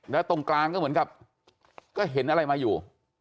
แล้วตรงกลางก็เหมือนกับก็เห็นอะไรมาอยู่